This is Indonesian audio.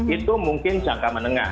itu mungkin jangka menengah